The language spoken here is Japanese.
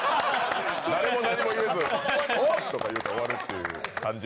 誰も何も言えず、おっ！とか言うて終わるという。